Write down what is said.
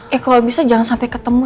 eh kalau bisa jangan sampai ketemu